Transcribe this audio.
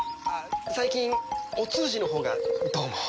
最近お通じのほうがどうも。